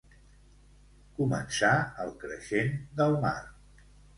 Començar el creixent del mar.